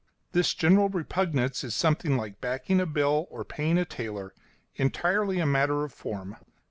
This general repugnance is something like backing a bill or paying a tailor entirely a matter of form.